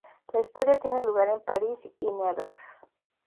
La historia tiene lugar en París y Nevers.